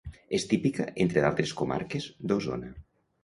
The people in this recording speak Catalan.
És típica, entre altres comarques, d'Osona.